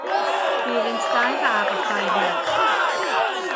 Bu iddynt ddau fab a thair merch.